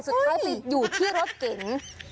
สุดท้ายไปอยู่ที่รถเก๋ง